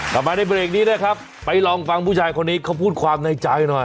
กลับมาในเบรกนี้นะครับไปลองฟังผู้ชายคนนี้เขาพูดความในใจหน่อย